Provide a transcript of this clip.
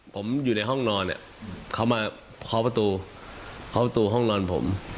ผมอยู่ในห้องนอนเนี่ยเขามาเคาะประตูเคาะประตูห้องนอนผม